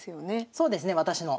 そうですねはい。